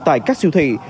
tại các siêu thị